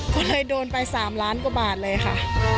ก็เลยโดนไป๓ล้านกว่าบาทเลยค่ะ